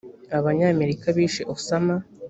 abanyamerika bishe osama